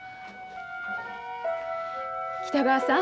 北川さん。